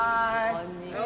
こんにちは。